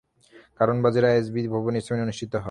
কারওয়ান বাজারের আইসিএবি ভবনে এই সেমিনার অনুষ্ঠিত হয়।